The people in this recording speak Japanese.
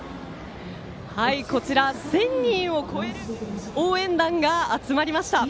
こちら、１０００人を超える応援団が集まりました。